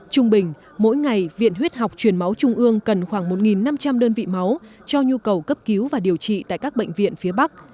trung bình mỗi ngày viện huyết học truyền máu trung ương cần khoảng một năm trăm linh đơn vị máu cho nhu cầu cấp cứu và điều trị tại các bệnh viện phía bắc